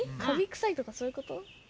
カビくさいとかそういうこと？